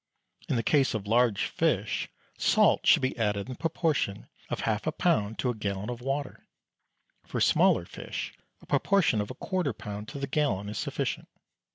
In the case of large fish, salt should be added in the proportion of half a pound to a gallon of water; for smaller fish, a proportion of a quarter pound to the gallon is sufficient.